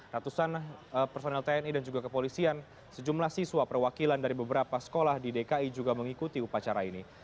ratusan personel tni dan juga kepolisian sejumlah siswa perwakilan dari beberapa sekolah di dki juga mengikuti upacara ini